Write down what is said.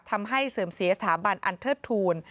ทำให้เสื่อมเสียสถาบันอันเทิดทูล